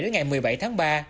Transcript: đến ngày một mươi bảy tháng ba